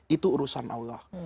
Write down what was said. itu urusan allah